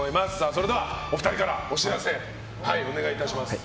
それではお二人からお知らせ、お願いします。